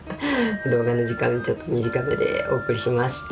動画の時間ちょっと短めでお送りしました。